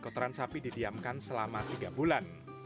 kotoran sapi didiamkan selama tiga bulan